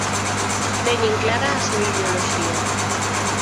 Teñen clara a súa ideoloxía.